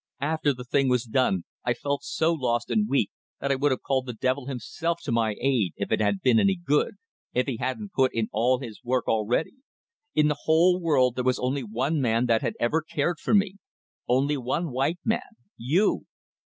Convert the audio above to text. After the thing was done, I felt so lost and weak that I would have called the devil himself to my aid if it had been any good if he hadn't put in all his work already. In the whole world there was only one man that had ever cared for me. Only one white man. You!